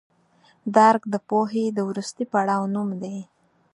درک د پوهې د وروستي پړاو نوم دی.